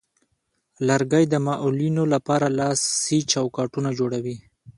لرګی د معلولینو لپاره لاسي چوکاټونه جوړوي.